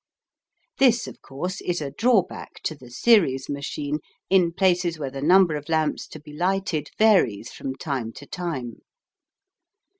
This, of course, is a drawback to the series machine in places where the number of lamps to be lighted varies from time to time.